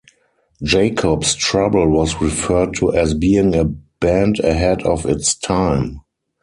Jacob's Trouble was referred to as being a band ahead of its time.